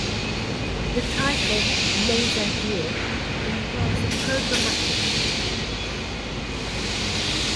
The title "Les Adieux" implies a programmatic nature.